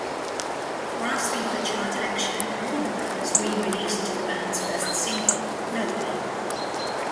Grasping for chart action, Warner Brothers re-released the band's first single, "Nobody".